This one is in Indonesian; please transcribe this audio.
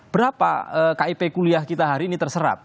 berapa kip kuliah kita hari ini terserap